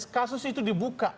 kasus itu dibuka